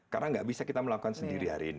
karena nggak bisa kita melakukan sendiri hari ini